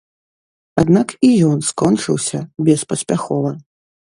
Аднак і ён скончыўся беспаспяхова.